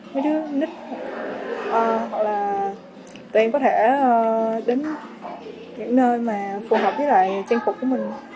mấy đứa nít hoặc là tụi em có thể đến những nơi mà phù hợp với lại trang phục của mình